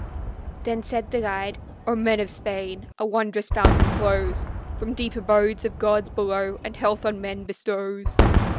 Then said the guide, "O men of Spain, a wondrous fountain flows From deep abodes of gods below, and health on men bestows.